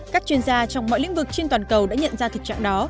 các chuyên gia trong mọi lĩnh vực trên toàn cầu đã nhận ra thực trạng đó